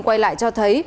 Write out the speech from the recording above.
quay lại cho thấy